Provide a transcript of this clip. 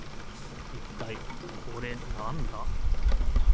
いったいこれなんだ？